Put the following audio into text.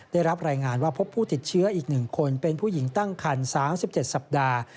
ได้รับรายงานว่าพบผู้ติดเชื้ออีก๑คนเป็นผู้หญิงตั้งคัน๓๗สัปดาห์